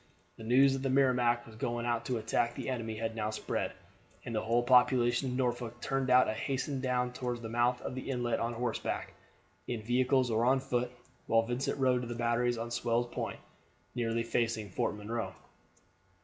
The news that the Merrimac was going out to attack the enemy had now spread, and the whole population of Norfolk turned out and hastened down toward the mouth of the inlet on horseback, in vehicles, or on foot, while Vincent rode to the batteries on Sewell's Point, nearly facing Fort Monroe.